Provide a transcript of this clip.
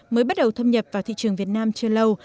mới bắt đầu thâm nhập vào thị trường việt nam chưa lâu